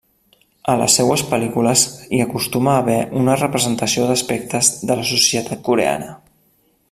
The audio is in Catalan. A les seues pel·lícules hi acostuma a haver una representació d'aspectes de la societat coreana.